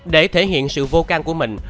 để thể hiện sự vô can của mình